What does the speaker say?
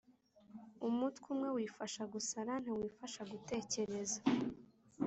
Umutwe umwe wifasha gusara, ntiwifasha gutekereza.